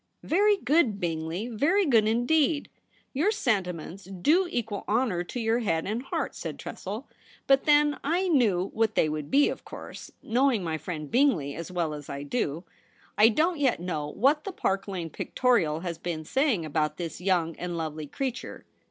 * Very good, Bingley, very good indeed ! Your sentiments do equal honour to your head and heart,' said Tressel. ' But then I knew what they would be, of course, knowing my friend Bingley as well as I do. I don't yet know what the Park Lane Pictorial has been saying about this young and lovely creature.